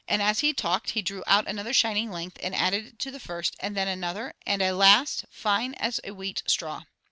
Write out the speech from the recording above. As he talked he drew out another shining length and added it to the first, and then another and a last, fine as a wheat straw.